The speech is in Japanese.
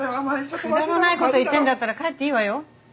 くだらない事言ってんだったら帰っていいわよ。